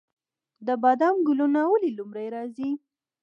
د بادام ګلونه ولې لومړی راځي؟